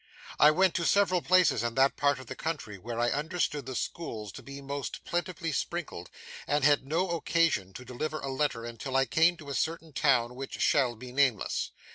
I went to several places in that part of the country where I understood the schools to be most plentifully sprinkled, and had no occasion to deliver a letter until I came to a certain town which shall be nameless.